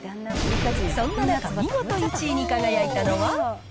そんな中、見事１位に輝いたのは。